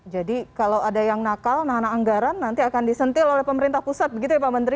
jadi kalau ada yang nakal menahan anggaran nanti akan disentil oleh pemerintah pusat begitu ya pak menteri